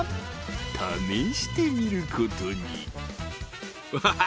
試してみることにうわ